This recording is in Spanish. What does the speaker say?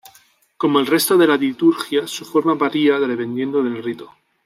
Como el resto de la Liturgia, su forma varía dependiendo del rito.